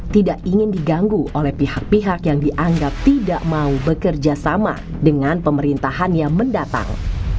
tidak ingin diganggu oleh pihak pihak yang dianggap tidak mau bekerja sama dengan pemerintahan yang mendatang